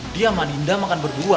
si budi sama ninda makan berdua